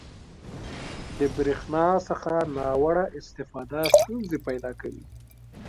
• د برېښنا څخه ناوړه استفاده ستونزې پیدا کوي.